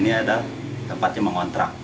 di sini ada tempatnya mengontrak